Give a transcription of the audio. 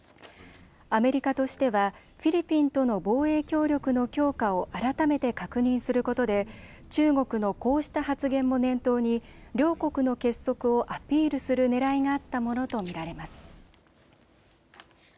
アメリカとしてはフィリピンとの防衛協力の強化を改めて確認することで中国のこうした発言も念頭に両国の結束をアピールするねらいがあったものと見られます。